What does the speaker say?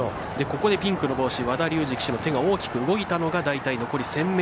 ここでピンクの帽子和田竜二騎手の手が大きく動いたのが大体残り１０００ｍ。